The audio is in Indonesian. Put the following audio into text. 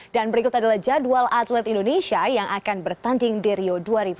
dan berikut adalah jadwal atlet indonesia yang akan bertanding di rio dua ribu enam belas